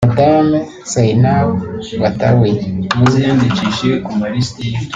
Madame Zainab Badawi